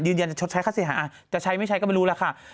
ยืนยันจะชดใช้ค่าเสียหายจะใช้ไม่ใช้ก็ไม่รู้ล่ะค่ะ